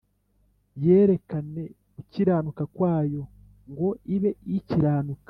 yerekane gukiranuka kwayo ngo ibe Ikiranuka